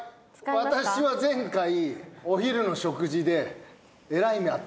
私は前回お昼の食事で。